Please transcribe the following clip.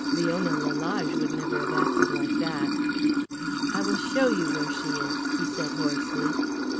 Leona Lalage would never have acted like that. "I will show you where she is," he said hoarsely.